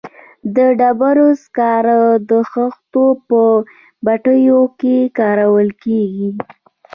د ډبرو سکاره د خښتو په بټیو کې کارول کیږي